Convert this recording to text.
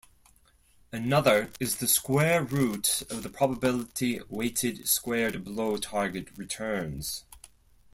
Another is the square root of the probability-weighted squared below-target returns.